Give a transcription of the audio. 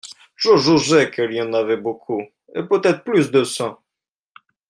Je jugeais qu'il y en avait beaucoup, et peut-être plus de cent.